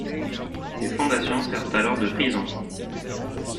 Ses fondations servent alors de prison.